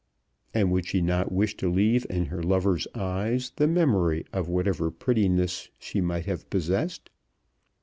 And would she not wish to leave in her lover's eyes the memory of whatever prettiness she might have possessed?